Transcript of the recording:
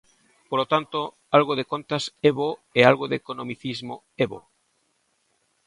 Polo tanto, algo de contas é bo e algo de economicismo é bo.